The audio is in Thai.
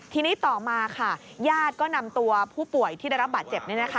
ทีนี้ต่อมาค่ะญาติก็นำตัวผู้ป่วยที่ได้รับบาดเจ็บ